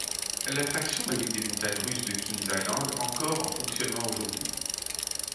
L'attraction est l'une des montagnes russes de Kings Island encore en fonctionnement aujourd'hui.